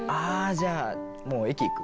じゃあもう駅行く？